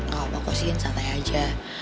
gak apa cosin santai aja